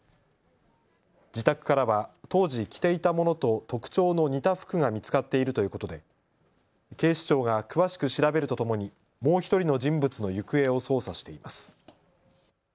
自宅からは当時着ていたものと特徴の似た服が見つかっているということで警視庁が詳しく調べるとともにもう１人の人物の行方を捜査しています。